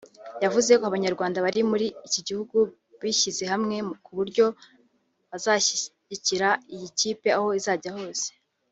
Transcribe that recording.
yavuze ko abanyarwanda bari muri iki gihugu bishyize hamwe ku buryo bazashyigikira iyi kipe aho izajya hose